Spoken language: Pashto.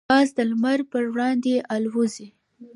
باز د لمر پر وړاندې الوزي.